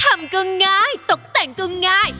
ทำก็ง่ายตกแต่งก็ง่าย